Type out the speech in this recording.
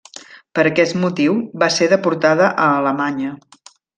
Per aquest motiu, va ser deportada a Alemanya.